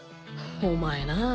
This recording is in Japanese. お前なあ